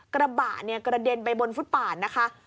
กระบะกระเด็นไปบนฟุตป่านนะคะ